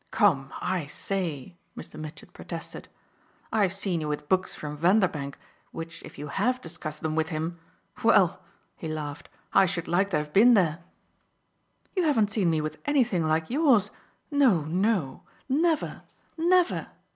"Come, I say!" Mr. Mitchett protested; "I've seen you with books from Vanderbank which if you HAVE discussed them with him well," he laughed, "I should like to have been there!" "You haven't seen me with anything like yours no, no, never, never!"